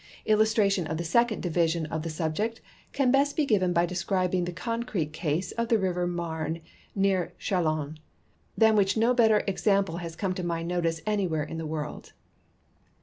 Illustration of the second division of the subject can best be given by describing the concrete case of the river ^larne near Chalons, than whicli no better example lias come to my notice an3'where in the world.